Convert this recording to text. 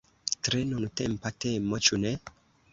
Tre nuntempa temo, ĉu ne?